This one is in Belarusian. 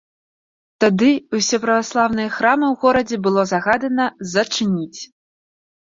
Тады ўсе праваслаўныя храмы ў горадзе было загадана зачыніць.